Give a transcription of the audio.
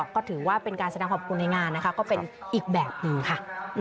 ก็ถือว่าเป็นการแสดงขอบคุณในงานนะคะก็เป็นอีกแบบหนึ่งค่ะ